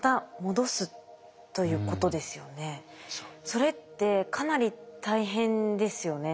それってかなり大変ですよね。